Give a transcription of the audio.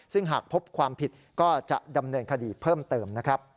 ซึ่งหากพบความผิดก็จะดำเนินคดีเพิ่มเติมนะครับ